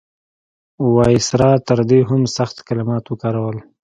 وایسرا تر دې هم سخت کلمات وکارول.